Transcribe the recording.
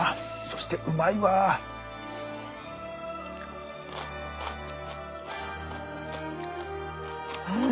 そしてうまいわあ。